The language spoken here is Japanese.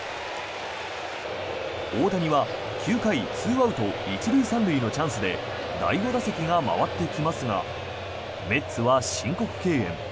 大谷は９回２アウト１塁３塁のチャンスで第５打席が回ってきますがメッツは申告敬遠。